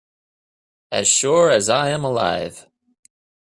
As sure as I am alive.